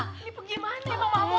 ini pegi mati mamah mut